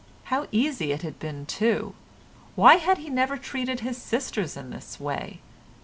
How easy it had been too! Why had he never treated his sisters in this way?